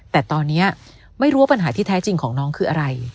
แต่ตอนนี้ไม่รู้ว่าปัญหาที่แท้จริงของน้องคืออะไร